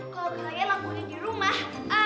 kalau kalian lakuin di rumah